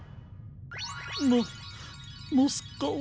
モモスカワ。